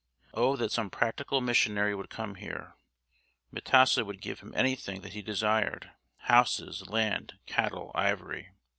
Oh that some practical missionary would come here. M'tesa would give him anything that he desired houses, land, cattle, ivory.